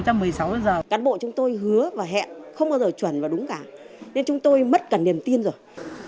các bộ chúng tôi hứa và hẹn không bao giờ chuẩn và đúng cả nên chúng tôi mất cả niềm tin rồi